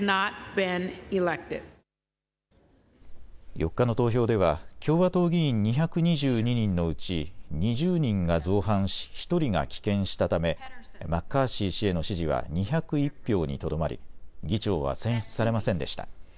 ４日の投票では共和党議員２２２人のうち２０人が造反し、１人が棄権したためマッカーシー氏への支持は２０１票にとどまり議長は選出されませんでした。